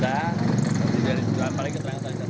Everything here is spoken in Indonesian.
jadi dari sejumlah paling keterangan sejumlah lain